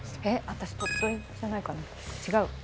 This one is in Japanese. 私鳥取じゃないかな違う？